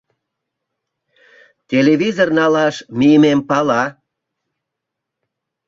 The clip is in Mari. Телевизор налаш мийымем пала.